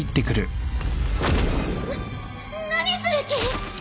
な何する気！？